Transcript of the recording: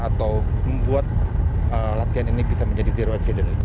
atau membuat latihan ini bisa menjadi zero accident